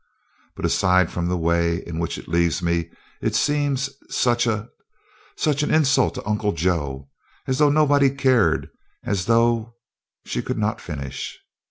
"But aside from the way in which it leaves me it seems such a such an insult to Uncle Joe as though nobody cared as though " she could not finish.